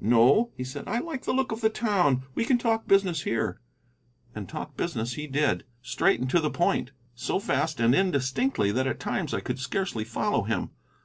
"No," he said; "I like the look of the town. We can talk business here." And talk business he did, straight and to the point, so fast and indistinctly that at times I could scarcely follow him.